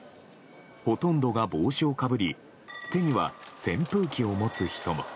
ほとんどが帽子をかぶり手には扇風機を持つ人も。